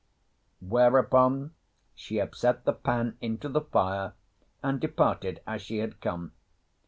Whereupon she upset the pan into the fire and departed as she had come.